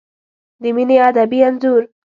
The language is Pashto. د مینې ادبي انځور